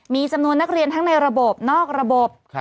มีจำนวนนักเรียนทั้งในระบบนอกระบบ